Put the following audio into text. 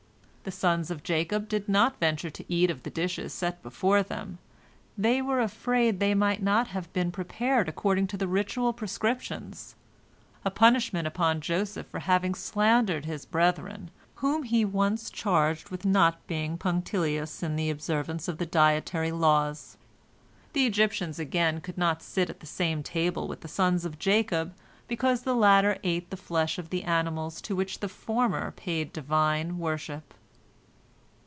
The sons of Jacob did not venture to eat of the dishes set before them, they were afraid they might not have been prepared according to the ritual prescriptions—a punishment upon Joseph for having slandered his brethren, whom he once charged with not being punctilious in the observance of the dietary laws. The Egyptians, again, could not sit at the same table with the sons of Jacob, because the latter ate the flesh of the animals to which the former paid divine worship.